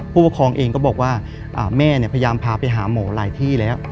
ผู้ปกครองเองก็บอกว่าแม่พยายามพาไปหาหมอหลายที่แล้ว